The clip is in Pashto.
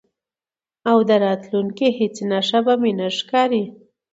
او د راتلو هیڅ نښه به مې نه ښکاري،